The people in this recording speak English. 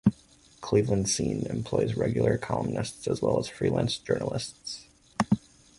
"Cleveland Scene" employs regular columnists as well as freelance journalists.